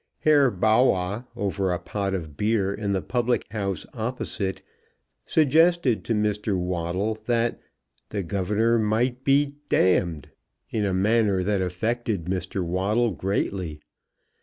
Herr Bawwah, over a pot of beer in the public house opposite, suggested to Mr. Waddle that "the governor might be ," in a manner that affected Mr. Waddle greatly.